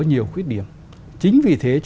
nhiều khuyết điểm chính vì thế